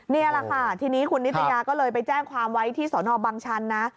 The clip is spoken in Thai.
นี่แหละค่ะทีนี้คุณนิตยาก็เลยไปแจ้งความไว้ที่สนบังชันนะ